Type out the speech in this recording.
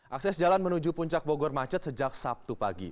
akses jalan menuju puncak bogor macet sejak sabtu pagi